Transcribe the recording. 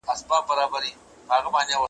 له ټوټو بشپړ بلوړ کله جوړیږي ,